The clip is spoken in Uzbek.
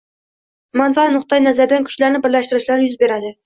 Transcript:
manfaat nuqtayi nazaridan kuchlarni birlashtirishlari yuz beradi.